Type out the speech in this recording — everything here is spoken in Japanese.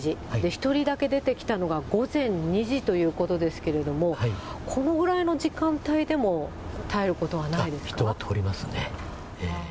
１人だけ出てきたのが午前２時ということですけれども、このぐらいの時間帯でも絶えることはない人は通りますね。